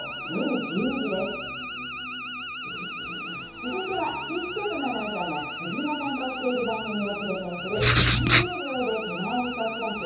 続いては地域局のアナウンサーが自分が担当している番組をプレゼンする「３０秒で手前みそプラス」。